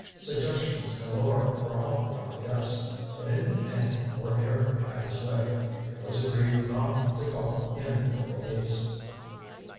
Suggestions galore were offered by the guests. But in the end Lord Harrowby had his way. It was agreed not to call in the police.